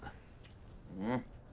うん。